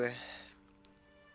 semua ini gara gara gue